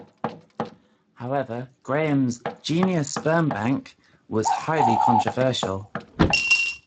However, Graham's "genius sperm bank" was highly controversial.